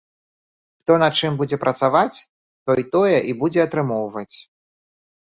Хто на чым будзе працаваць, той тое і будзе атрымоўваць.